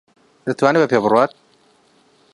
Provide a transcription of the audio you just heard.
دەتوانێت بە پێ بڕوات.